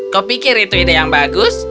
kau pikir itu ide yang bagus